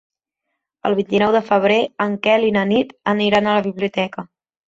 El vint-i-nou de febrer en Quel i na Nit aniran a la biblioteca.